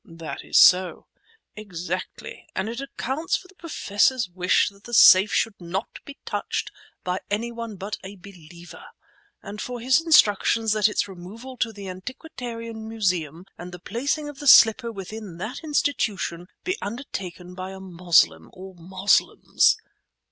"That is so." "Exactly; and it accounts for the Professor's wish that the safe should not be touched by any one but a Believer—and for his instructions that its removal to the Antiquarian Museum and the placing of the slipper within that institution be undertaken by a Moslem or Moslems."